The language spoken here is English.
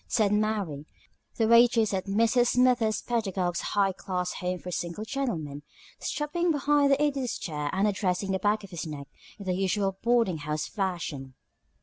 said Mary, the waitress at Mrs. Smithers Pedagog's High Class Home for Single Gentlemen, stopping behind the Idiot's chair and addressing the back of his neck in the usual boarding house fashion.